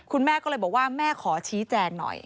คุณแม่ก็เลยบอกว่าแม่ขอชี้แจงหน่อย